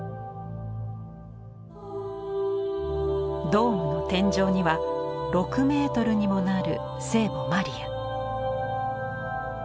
ドームの天井には６ｍにもなる聖母マリア。